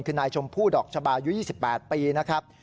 คือนายชมพู่ดอกชะบาอายุ๒๘ปีนะครับ